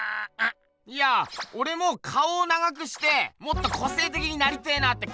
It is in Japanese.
いやおれも顔を長くしてもっと個性的になりてえなって。